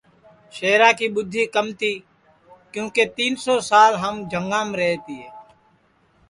شہرا کی ٻُدھی کم تی کیونکہ تین سو سال ہم جھنگام رہے تیے